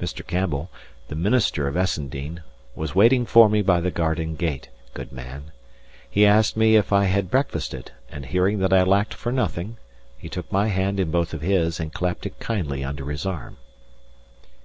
Mr. Campbell, the minister of Essendean, was waiting for me by the garden gate, good man! He asked me if I had breakfasted; and hearing that I lacked for nothing, he took my hand in both of his and clapped it kindly under his arm.